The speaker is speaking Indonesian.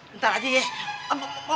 entar aja ya